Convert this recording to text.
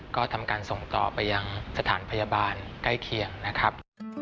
ก็ทำการส่งต่อไปยังสถานพยาบาลใกล้เคียงนะครับ